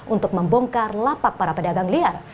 untuk membongkar lapak para pedagang liar